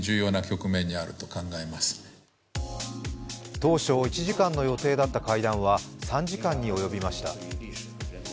当初、１時間の予定だった会談は３時間に及びました。